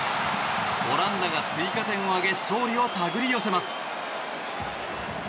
オランダが追加点を挙げ勝利を手繰り寄せます。